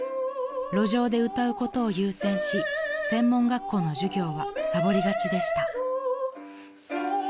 ［路上で歌うことを優先し専門学校の授業はサボりがちでした］